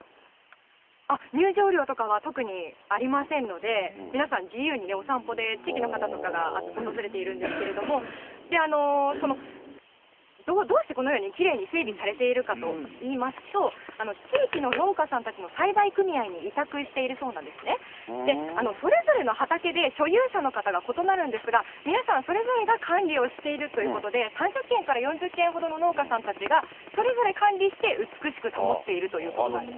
入場料とかは特にありませんので、皆さん、自由にお散歩で、地域の方とかが訪れているんですけれども、どうしてこのようにきれいに整備されているかといいますと、地域の農家さんたちの栽培組合に委託しているそうなんですね。それぞれの畑で所有者の方が異なるんですが、皆さんそれぞれが管理をしているということで、３０軒から４０軒ほどの農家さんたちが、それぞれ管理して美しく保っているということなんです。